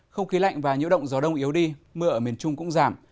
không khí lạnh và nhiễu động gió đông yếu đi mưa ở miền trung cũng giảm